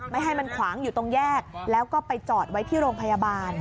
ไม่ให้มันขวางอยู่ตรงแยกแล้วก็ไปจอดไว้ที่โรงพยาบาล